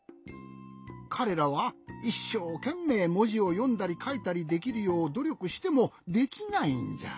かれらはいっしょうけんめいもじをよんだりかいたりできるようどりょくしてもできないんじゃ。